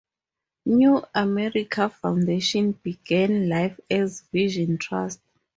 New America Foundation began life as Vision Trust.